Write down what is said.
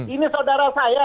ini saudara saya